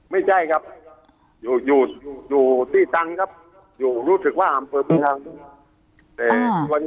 ไม่ใช่ครับอยู่ที่ตั้งครับอยู่รู้สึกว่าอำเติบทาง